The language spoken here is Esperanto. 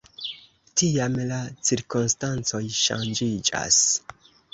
Tiam la cirkonstancoj ŝanĝiĝas.